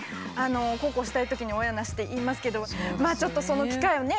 「孝行したいときに親はなし」って言いますけどちょっとその機会をね